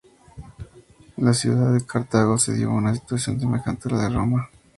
En la ciudad de Cartago se dio una situación semejante a la de Roma.